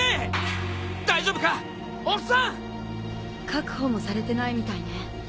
確保もされてないみたいね。